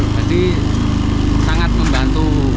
jadi sangat membantu